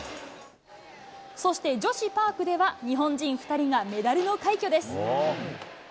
そして女子パークでは、日本人２人がメダルの快挙です。